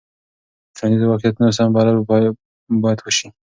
د ټولنیزو واقعیتونو سم بلل باید وسي.